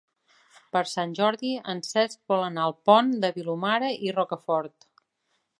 Per Sant Jordi en Cesc vol anar al Pont de Vilomara i Rocafort.